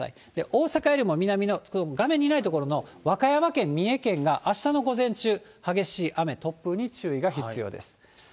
大阪よりも南の、画面にない所の和歌山県、三重県があしたの午前中、激しい雨、突風に注意が必要です。